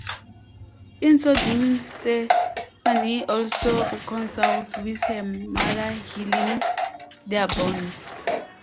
In so doing Stephanie also reconciles with her mother healing their bond.